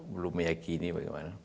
belum meyakini bagaimana